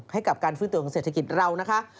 ให้กับการฟื้นตัวของเศรษฐกิจเรานะคะ